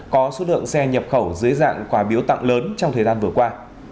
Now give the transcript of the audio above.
có số lượng xe nhập khẩu dưới dạng quà biếu tặng lớn trong thời gian vừa qua